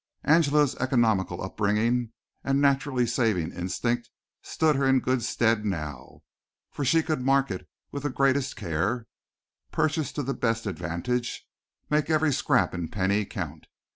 Angela's economical upbringing and naturally saving instinct stood her in good stead now, for she could market with the greatest care, purchase to the best advantage, make every scrap and penny count.